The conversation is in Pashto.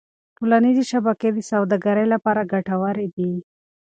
ټولنيزې شبکې د سوداګرۍ لپاره ګټورې دي.